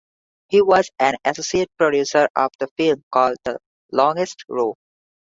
He was an associate producer of the film called "The Longest Row".